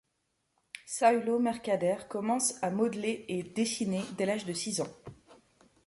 Saülo Mercader commence à modeler et dessiner dès l'âge de six ans.